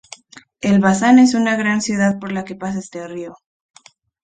Elbasan es una gran ciudad por la que pasa este río.